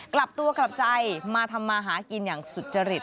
กลับตัวกลับใจมาทำมาหากินอย่างสุจริต